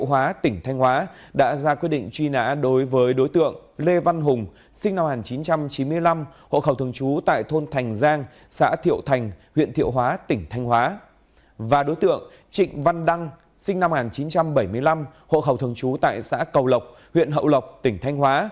hộ khẩu thường trú tại xã cầu lộc huyện hậu lộc tỉnh thanh hóa